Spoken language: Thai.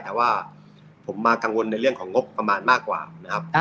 แต่ว่าผมมากังวลในเรื่องของงบประมาณมากกว่านะครับ